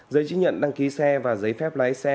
giấy chứng nhận đăng ký xe và giấy phép lái xe